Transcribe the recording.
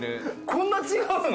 こんな違うの？